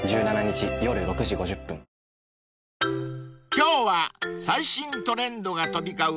［今日は最新トレンドが飛び交う